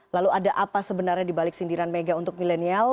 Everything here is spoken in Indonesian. lalu ada apa sebenarnya dibalik sindiran mega untuk milenial